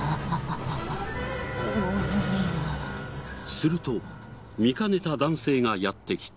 すると見かねた男性がやって来て。